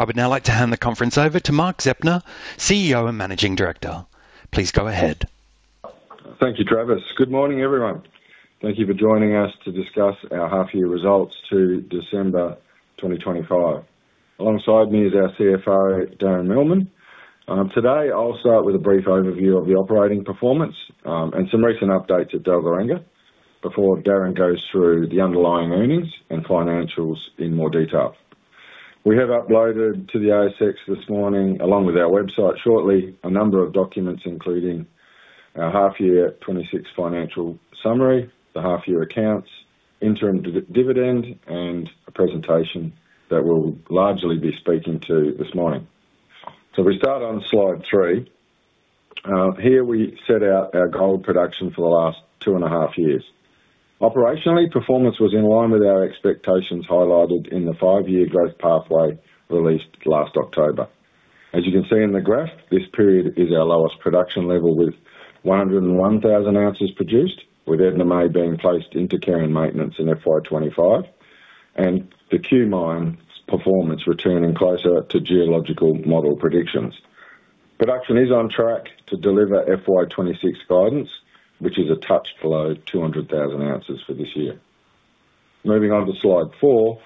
I would now like to hand the conference over to Mark Zeptner, CEO and Managing Director. Please go ahead. Thank you, Travis. Good morning, everyone. Thank you for joining us to discuss our half year results to December 2025. Alongside me is our CFO, Darren Millman. Today, I'll start with a brief overview of the operating performance, and some recent updates at Dalgaranga, before Darren goes through the underlying earnings and financials in more detail. We have uploaded to the ASX this morning, along with our website shortly, a number of documents, including our half year 2026 financial summary, the half year accounts, interim dividend, and a presentation that we'll largely be speaking to this morning. So, we start on slide 3. Here we set out our gold production for the last two and a half years. Operationally, performance was in line with our expectations, highlighted in the five-year growth pathway released last October. As you can see in the graph, this period is our lowest production level, with 101,000 oz produced, with Edna May being placed into care and maintenance in FY 2025, and the Cue mine's performance returning closer to geological model predictions. Production is on track to deliver FY 2026 guidance, which is a touch below 200,000 oz for this year. Moving on to slide 4.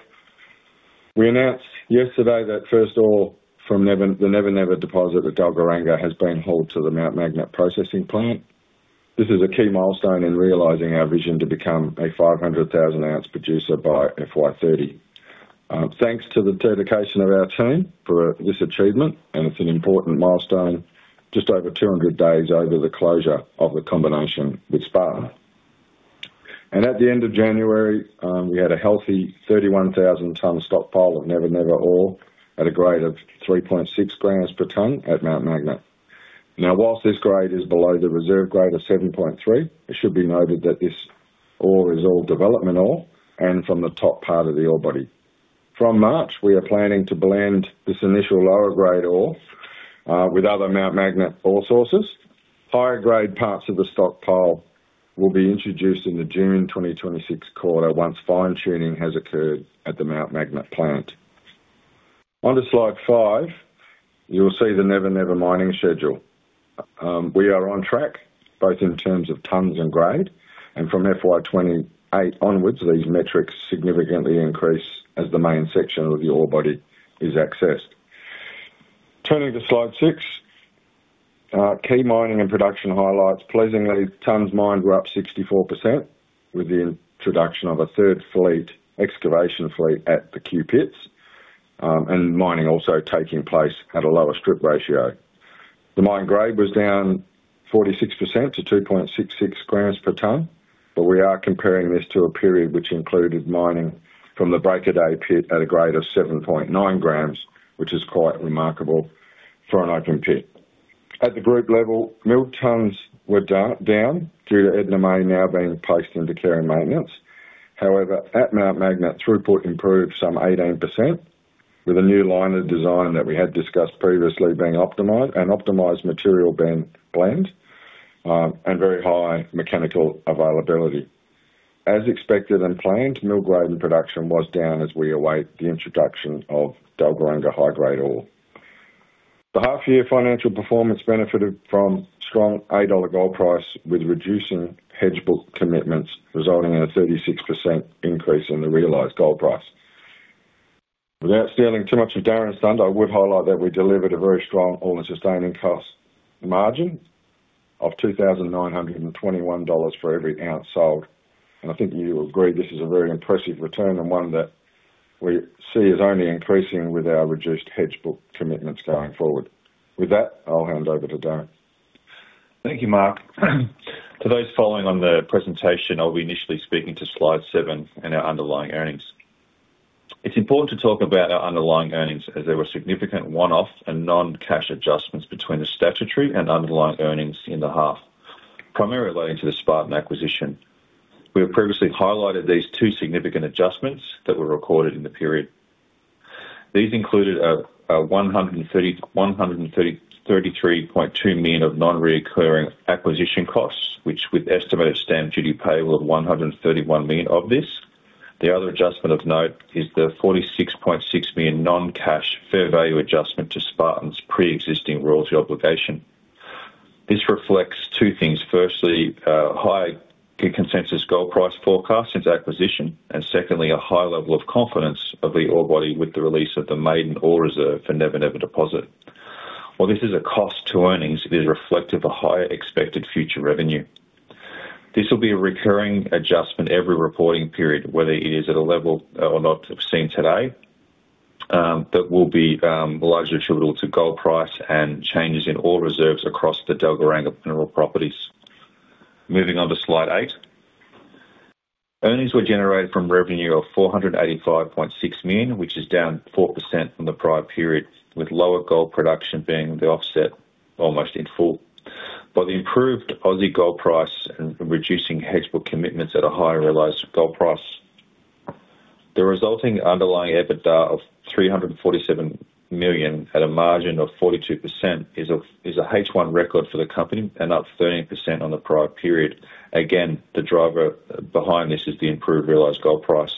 We announced yesterday that first ore from Never Never, the Never Never Deposit at Dalgaranga, has been hauled to the Mount Magnet processing plant. This is a key milestone in realizing our vision to become a 500,000 oz producer by FY 2030. Thanks to the dedication of our team for this achievement, and it's an important milestone, just over 200 days over the closure of the combination with Spartan. At the end of January, we had a healthy 31,000-tonne stockpile of Never Never ore at a grade of 3.6 g per tonne at Mount Magnet. Now, while this grade is below the reserve grade of 7.3, it should be noted that this ore is all development ore and from the top part of the ore body. From March, we are planning to blend this initial lower grade ore with other Mount Magnet ore sources. Higher grade parts of the stockpile will be introduced in the June 2026 quarter, once fine-tuning has occurred at the Mount Magnet plant. On to slide 5, you will see the Never Never mining schedule. We are on track both in terms of tonnes and grade, and from FY 2028 onwards, these metrics significantly increase as the main section of the ore body is accessed. Turning to slide 6. Key mining and production highlights. Pleasingly, tonnes mined were up 64% with the introduction of a third fleet, excavation fleet at the Cue pits, and mining also taking place at a lower strip ratio. The mine grade was down 46% to 2.66 g per tonne, but we are comparing this to a period which included mining from the Break of Day pit at a grade of 7.9 g, which is quite remarkable for an open pit. At the group level, milled tonnes were down due to Edna May now being placed into Care and Maintenance. However, at Mount Magnet, throughput improved some 18%, with a new liner design that we had discussed previously being optimized, and optimized material being blended, and very high mechanical availability. As expected, and planned, mill grade and production was down as we await the introduction of Dalgaranga high-grade ore. The half year financial performance benefited from strong $800 gold price, with reducing hedge book commitments, resulting in a 36% increase in the realized gold price. Without stealing too much of Darren's thunder, I would highlight that we delivered a very strong all-in sustaining cost margin of $2,921 for every ounce sold, and I think you will agree this is a very impressive return and one that we see as only increasing with our reduced hedge book commitments going forward. With that, I'll hand over to Darren. Thank you, Mark. To those following on the presentation, I'll be initially speaking to slide 7 and our underlying earnings. It's important to talk about our underlying earnings, as there were significant one-off and non-cash adjustments between the statutory and underlying earnings in the half, primarily relating to the Spartan acquisition. We have previously highlighted these two significant adjustments that were recorded in the period. These included a 133.2 million of non-recurring acquisition costs, which with estimated stamp duty payable of 131 million of this. The other adjustment of note is the 46.6 million non-cash fair value adjustment to Spartan's pre-existing royalty obligation. This reflects two things: firstly, a high consensus gold price forecast since acquisition, and secondly, a high level of confidence of the ore body with the release of the maiden Ore Reserve for Never Never Deposit. While this is a cost to earnings, it is reflective of higher expected future revenue. This will be a recurring adjustment every reporting period, whether it is at a level or not seen today, that will be largely attributable to gold price and changes in ore reserves across the Dalgaranga mineral properties. Moving on to Slide 8. Earnings were generated from revenue of AUD 485.6 million, which is down 4% from the prior period, with lower gold production being the offset almost in full. By the improved Aussie gold price and reducing hedge book commitments at a higher realized gold price, the resulting underlying EBITDA of 347 million at a margin of 42% is a H1 record for the company and up 13% on the prior period. Again, the driver behind this is the improved realized gold price.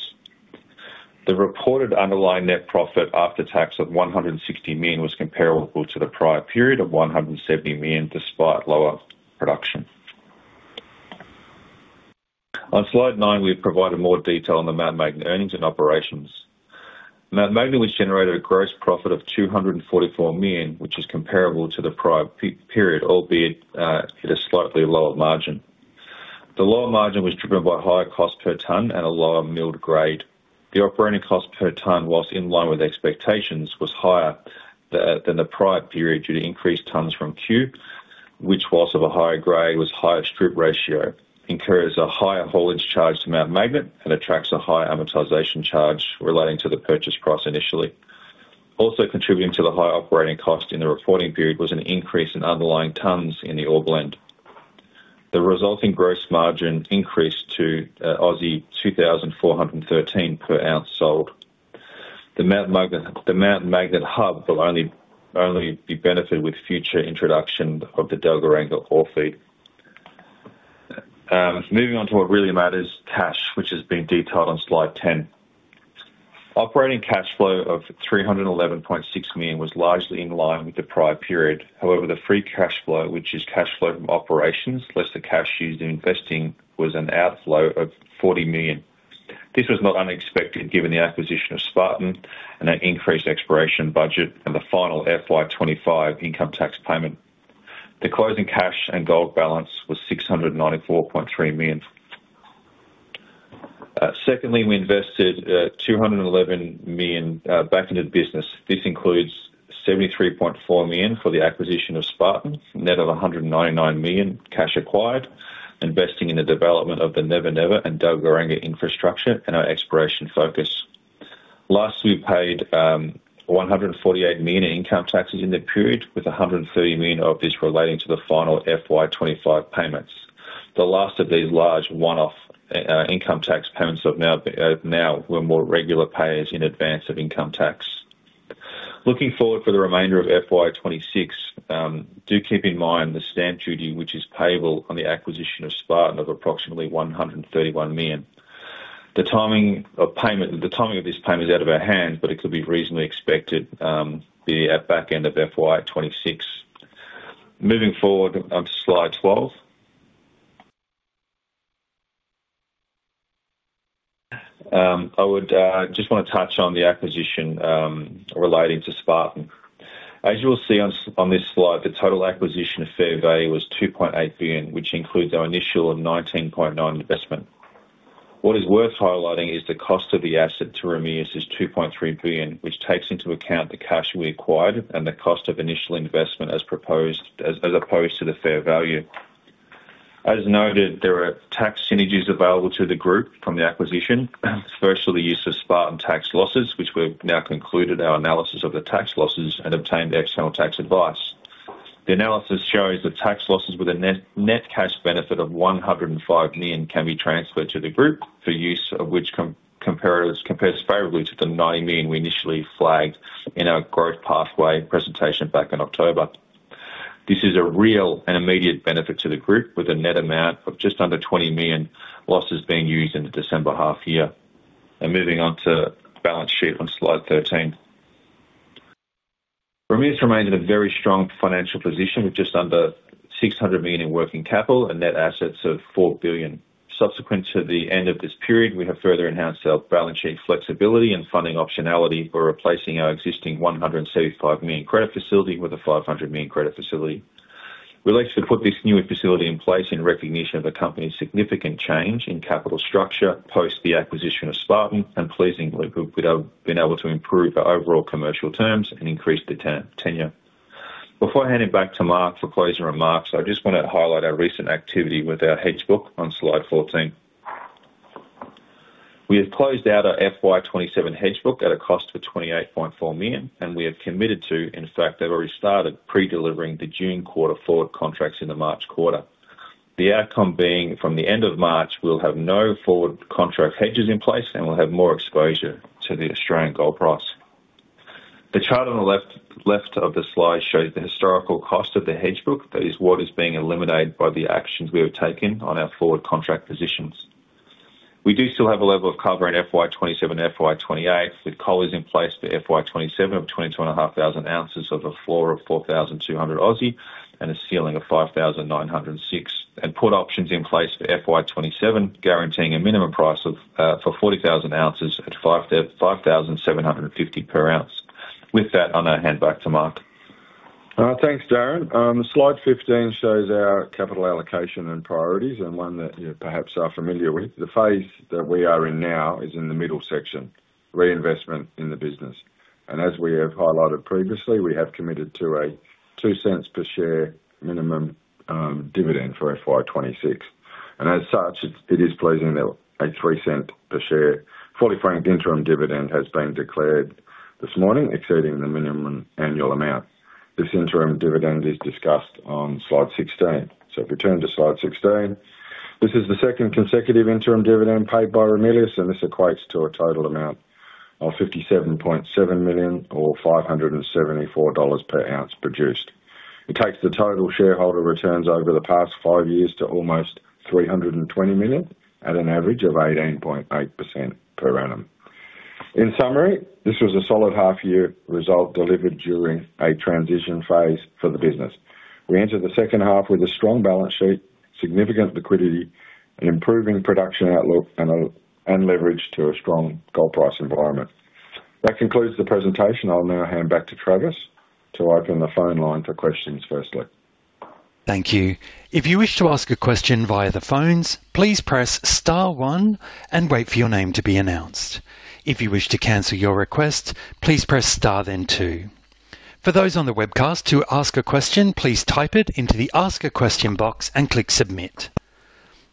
The reported underlying net profit after tax of 160 million was comparable to the prior period of 170 million, despite lower production. On slide nine, we have provided more detail on the Mount Magnet earnings and operations. Mount Magnet, which generated a gross profit of 244 million, which is comparable to the prior period, albeit at a slightly lower margin. The lower margin was driven by higher cost per tonne and a lower milled grade. The operating cost per tonne, while in line with expectations, was higher than the prior period due to increased tonnes from Cue, which while of a higher grade, was higher strip ratio, incurs a higher haulage charge to Mount Magnet and attracts a higher amortization charge relating to the purchase price initially. Also contributing to the higher operating cost in the reporting period was an increase in underlying tonnes in the ore blend. The resulting gross margin increased to 2,413 per oz sold. The Mount Magnet, the Mount Magnet hub will only, only be benefited with future introduction of the Dalgaranga ore feed. Moving on to what really matters, cash, which has been detailed on Slide 10. Operating cash flow of 311.6 million was largely in line with the prior period. However, the free cash flow, which is cash flow from operations, less the cash used in investing, was an outflow of 40 million. This was not unexpected, given the acquisition of Spartan and an increased exploration budget and the final FY 2025 income tax payment. The closing cash and gold balance was 694.3 million. Secondly, we invested 211 million back into the business. This includes 73.4 million for the acquisition of Spartan, net of 199 million cash acquired, investing in the development of the Never Never and Dalgaranga infrastructure and our exploration focus. Lastly, we paid 148 million in income taxes in the period, with 130 million of this relating to the final FY 2025 payments. The last of these large one-off income tax payments have now, now we're more regular payers in advance of income tax. Looking forward for the remainder of FY 2026, do keep in mind the stamp duty, which is payable on the acquisition of Spartan of approximately 131 million. The timing of this payment is out of our hands, but it could be reasonably expected, be at back end of FY 2026. Moving forward on to slide 12. I would just want to touch on the acquisition relating to Spartan. As you will see on on this slide, the total acquisition of fair value was 2.8 billion, which includes our initial of 19.9 million investment. What is worth highlighting is the cost of the asset to Ramelius is 2.3 billion, which takes into account the cash we acquired and the cost of initial investment as proposed, as opposed to the fair value. As noted, there are tax synergies available to the group from the acquisition. First, for the use of Spartan tax losses, which we've now concluded our analysis of the tax losses and obtained external tax advice. The analysis shows that tax losses with a net cash benefit of 105 million can be transferred to the group, for use of which compares favorably to the 90 million we initially flagged in our growth pathway presentation back in October. This is a real and immediate benefit to the group, with a net amount of just under 20 million losses being used in the December half year. Moving on to balance sheet on Slide 13. Ramelius remains in a very strong financial position, with just under 600 million in working capital and net assets of 4 billion. Subsequent to the end of this period, we have further enhanced our balance sheet flexibility and funding optionality for replacing our existing 175 million credit facility with a 500 million credit facility. We'd like to put this newer facility in place in recognition of the company's significant change in capital structure post the acquisition of Spartan, and pleasingly, we've, we've been able to improve our overall commercial terms and increase the tenure. Before handing back to Mark for closing remarks, I just want to highlight our recent activity with our hedge book on Slide 14. We have closed out our FY 2027 hedge book at a cost of 28.4 million, and we have committed to, in fact, have already started pre-delivering the June quarter forward contracts in the March quarter. The outcome being, from the end of March, we'll have no forward contract hedges in place, and we'll have more exposure to the Australian gold price. The chart on the left, left of the slide shows the historical cost of the hedge book, that is, what is being eliminated by the actions we have taken on our forward contract positions. We do still have a level of cover in FY 2027 and FY 2028, with collars in place for FY 2027 of 22,500 oz of a floor of 4,200 and a ceiling of 5,906. Put options in place for FY 2027, guaranteeing a minimum price for 40,000 oz at $5,000-$5,750 per oz. With that, I'm going to hand back to Mark. Thanks, Darren. Slide 15 shows our capital allocation and priorities, and one that you perhaps are familiar with. The phase that we are in now is in the middle section, reinvestment in the business. As we have highlighted previously, we have committed to a 0.02 per share minimum dividend for FY 2026. And as such, it, it is pleasing that a 0.03 per share fully franked interim dividend has been declared this morning, exceeding the minimum annual amount. This interim dividend is discussed on Slide 16. So, if we turn to Slide 16, this is the second consecutive interim dividend paid by Ramelius, and this equates to a total amount of 57.7 million or 574 dollars per oz produced.... It takes the total shareholder returns over the past five years to almost 320 million, at an average of 18.8% per annum. In summary, this was a solid half year result delivered during a transition phase for the business. We entered the second half with a strong balance sheet, significant liquidity, an improving production outlook, and leverage to a strong gold price environment. That concludes the presentation. I'll now hand back to Travis to open the phone line for questions firstly. Thank you. If you wish to ask a question via the phones, please press star one and wait for your name to be announced. If you wish to cancel your request, please press star then two. For those on the webcast, to ask a question, please type it into the Ask a Question box and click Submit.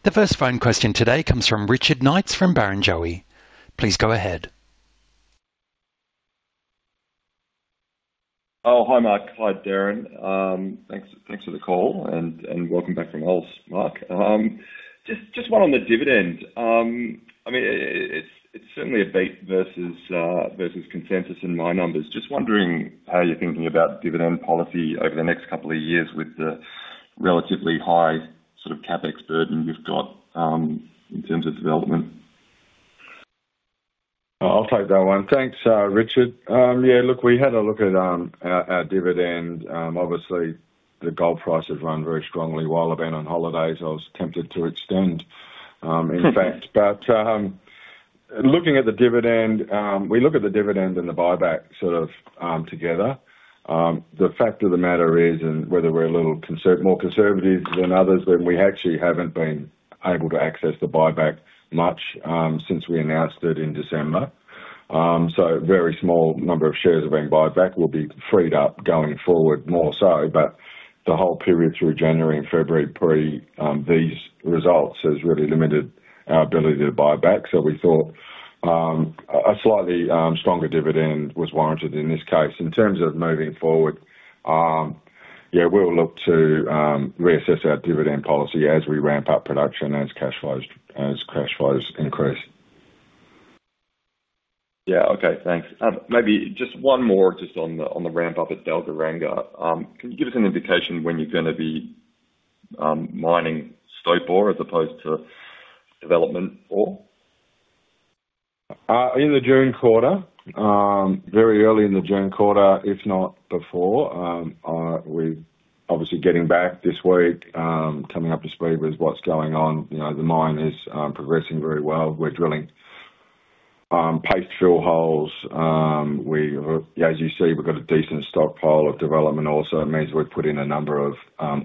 The first phone question today comes from Richard Knights from Barrenjoey. Please go ahead. Oh, hi, Mark. Hi, Darren. Thanks, thanks for the call, and welcome back from hols, Mark. Just one on the dividend. I mean, it's certainly a beat versus consensus in my numbers. Just wondering how you're thinking about dividend policy over the next couple of years with the relatively high sort of CapEx burden you've got in terms of development? I'll take that one. Thanks, Richard. Yeah, look, we had a look at our dividend. Obviously, the gold price has run very strongly while I've been on holidays. I was tempted to extend, in fact. But looking at the dividend, we look at the dividend and the buyback sort of together. The fact of the matter is, and whether we're a little more conservative than others, but we actually haven't been able to access the buyback much since we announced it in December. So very small number of shares are being bought back, will be freed up going forward more so. But the whole period through January and February prior to these results has really limited our ability to buy back. So we thought a slightly stronger dividend was warranted in this case. In terms of moving forward, yeah, we'll look to reassess our dividend policy as we ramp up production, as cash flows, as cash flows increase. Yeah. Okay, thanks. Maybe just one more, just on the, on the ramp up at Dalgaranga. Can you give us an indication when you're going to be, mining stope ore as opposed to development ore? In the June quarter. Very early in the June quarter, if not before. We're obviously getting back this week, coming up to speed with what's going on. You know, the mine is progressing very well. We're drilling paste fill holes. As you see, we've got a decent stockpile of development also. It means we've put in a number of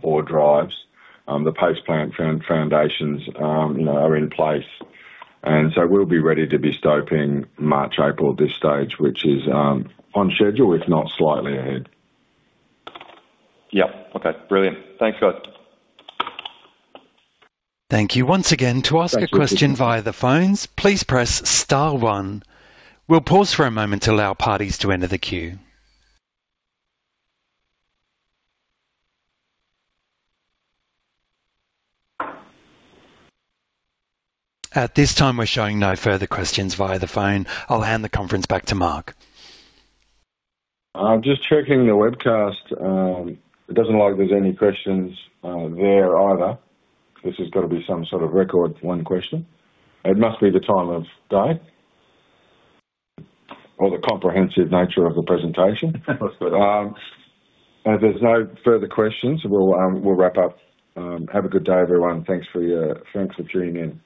ore drives. The paste plant foundations are in place, and so we'll be ready to be stopping March, April at this stage, which is on schedule, if not slightly ahead. Yep. Okay, brilliant. Thanks, guys. Thank you once again. Thanks, Richard. To ask a question via the phones, please press star one. We'll pause for a moment to allow parties to enter the queue. At this time, we're showing no further questions via the phone. I'll hand the conference back to Mark. I'm just checking the webcast. It doesn't look like there's any questions, there either. This has got to be some sort of record for one question. It must be the time of day or the comprehensive nature of the presentation. If there's no further questions, we'll, we'll wrap up. Have a good day, everyone. Thanks for your- thanks for tuning in.